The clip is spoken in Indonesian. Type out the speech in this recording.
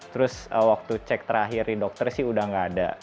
terus waktu cek terakhir di dokter sih udah gak ada